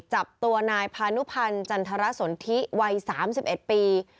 จับตัวนายพานุพันธ์จันทรสนทิวัย๓๑ปี